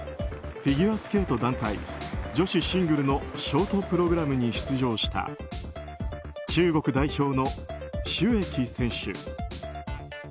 フィギュアスケート団体女子シングルのショートプログラムに出場した中国代表のシュ・エキ選手。